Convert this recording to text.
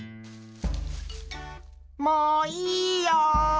もういいよ。